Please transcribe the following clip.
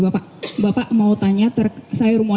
bapak bapak mau tanya saya rumah